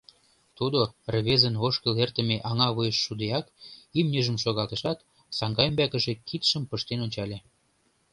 Тудо, рвезын ошкыл эртыме аҥа вуйыш шудеак, имньыжым шогалтышат, саҥга ӱмбакыже кидшым пыштен ончале.